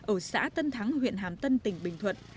ở xã tân thắng huyện hàm tân tỉnh bình thuận